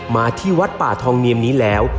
มาที่วัดป่าทองเนียมนี้แล้ว